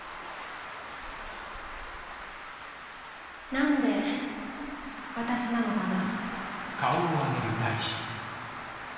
なんで私なのかな？